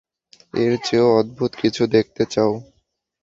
এর চেয়েও অদ্ভুত কিছু দেখতে চাও?